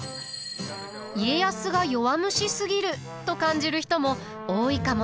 家康が弱虫すぎると感じる人も多いかもしれません。